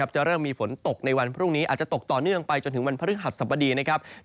จะเริ่มมีฝนตกในวันพรุ่งนี้อาจจะตกต่อเนื่องไปจนถึงวันพฤหัสสบดีนะครับ